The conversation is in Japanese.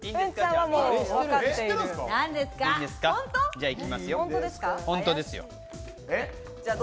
じゃあ行きますよ。